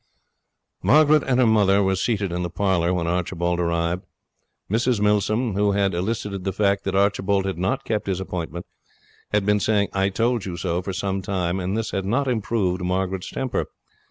Margaret and her mother were seated in the parlour when Archibald arrived. Mrs Milsom, who had elicited the fact that Archibald had not kept his appointment, had been saying 'I told you so' for some time, and this had not improved Margaret's temper.